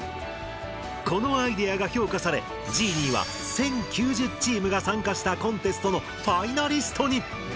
このアイデアが評価されＧＥＮＩＥは１，０９０チームが参加したコンテストのファイナリストに！